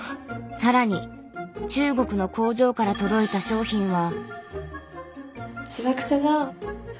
更に中国の工場から届いた商品は。